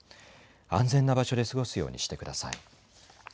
安全な場所で過ごすようにしてください。